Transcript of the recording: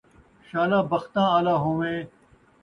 شالا بختاں آلا ہوویں